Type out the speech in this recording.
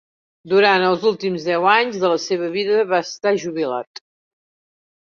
Durant els últims deu anys de la seva vida va estar jubilat.